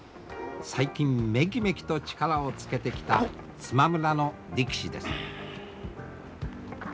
最近メキメキと力をつけてきた都万村の力士です。